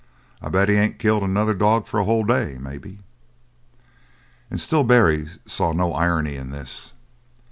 I'd bet he ain't killed another dog for a whole day, maybe!" And still Barry saw no irony in this.